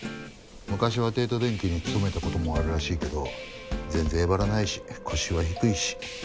昔は帝都電機に勤めたこともあるらしいけど全然えばらないし腰は低いし。